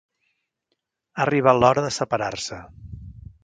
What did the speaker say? Ha arribat l'hora de separar-se.